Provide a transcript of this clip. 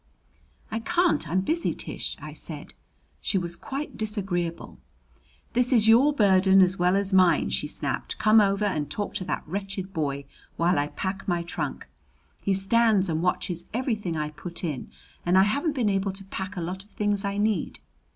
"I can't. I'm busy, Tish," I said. She was quite disagreeable. "This is your burden as well as mine," she snapped. "Come over and talk to that wretched boy while I pack my trunk. He stands and watches everything I put in, and I haven't been able to pack a lot of things I need."